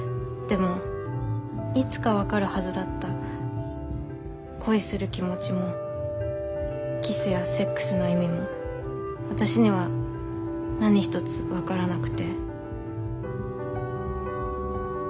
でもいつか分かるはずだった恋する気持ちもキスやセックスの意味も私には何一つ分からなくて。